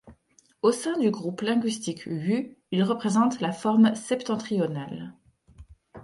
Au sein du groupe linguistique wu, il représente la forme septentrionale.